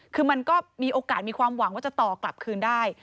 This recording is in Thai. คือมันก็มีโอกาสมีความหวังว่าจะต่อกลับคืนได้